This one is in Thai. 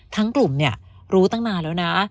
ทั้งกลุ่มรู้ตั้งนานแล้วนะ